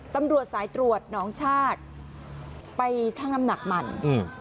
ตำรวจสายตรวจหนองชาติไปชั่งน้ำหนักมันอืม